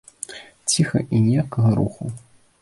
Ціха, і ніякага руху.